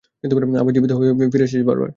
আবার জীবিত হয়ে ফিরেও এসেছে বারবার।